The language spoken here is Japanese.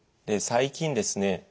最近ですね